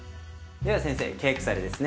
では先生ケークサレですね。